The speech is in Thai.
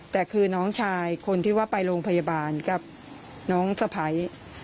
แต่คือน้องชายคนที่ว่าไปโรงพยาบาลกับน้องสะพ้าย